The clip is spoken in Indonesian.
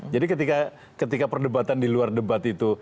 jadi ketika perdebatan di luar debat itu